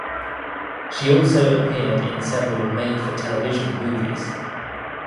She also appeared in several made-for-television movies.